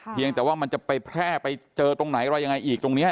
เพียงแต่ว่ามันจะไปแพร่ไปเจอตรงไหนอะไรยังไงอีกตรงนี้